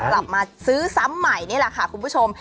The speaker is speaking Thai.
กลับมาซื้อซ้ำใหม่นี่แหละค่ะคุณผู้ชม